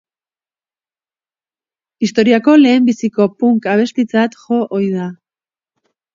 Historiako lehenbiziko punk abestitzat jo ohi da.